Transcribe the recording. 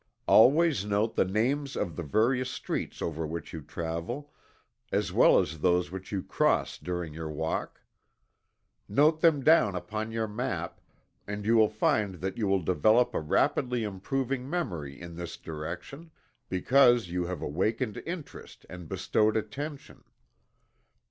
Always note the names of the various streets over which you travel, as well as those which you cross during your walk. Note them down upon your map, and you will find that you will develop a rapidly improving memory in this direction because you have awakened interest and bestowed attention.